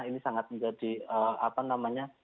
ini sangat menjadi apa namanya